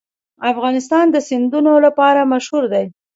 افغانستان د سیندونه لپاره مشهور دی.